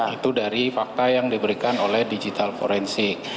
itu dari fakta yang diberikan oleh digital forensik